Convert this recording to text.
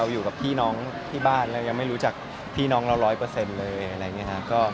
อยู่กับพี่น้องที่บ้านแล้วยังไม่รู้จักพี่น้องเราร้อยเปอร์เซ็นต์เลย